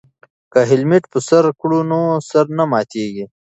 که هیلمټ په سر کړو نو سر نه ماتیږي.